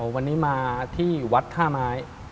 วันนี้มาที่วัดท่าไม้